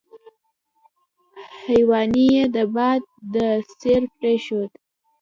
هیوني یې د باد په څېر پرېښود.